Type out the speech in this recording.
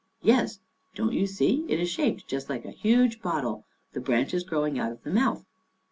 " Yes. Don't you see it is shaped just like a huge bottle, the branches growing out of the mouth